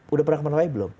udah pernah ke mentawai belum